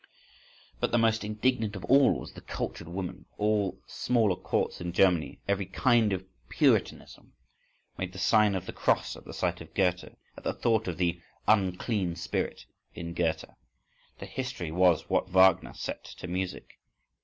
But the most indignant of all was the cultured woman—all smaller courts in Germany, every kind of "Puritanism" made the sign of the cross at the sight of Goethe, at the thought of the "unclean spirit" in Goethe.—This history was what Wagner set to music.